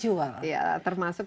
iya termasuk misalnya keturunan dari